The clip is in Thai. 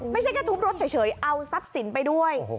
ไม่ใช่แค่ทุบรถเฉยเอาทรัพย์สินไปด้วย